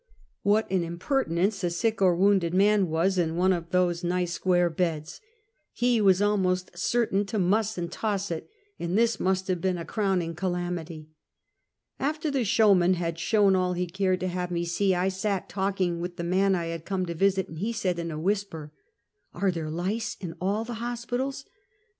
"What an impertinence a sick or wounded man was, in one of those nice, square beds. He was almost certain to muss and toss it, and this must have been a crowning calamity. After the showman had shown all he cared to have me see, I sat talking with the man I had come to vis it, and he said, in a whisper: " Are tliere lice in all the hospitals?"